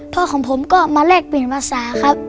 พ่อของผมก็มาแลกเปลี่ยนภาษาครับ